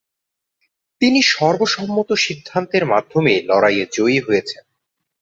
তিনি সর্বসম্মত সিদ্ধান্তের মাধ্যমে লড়াইয়ে জয়ী হয়েছেন।